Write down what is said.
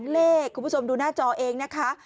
เลขคุณผู้ชมดูหน้าจอเองนะคะ